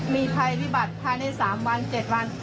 มีภัยวิบัติภายใน๓วัน๗วัน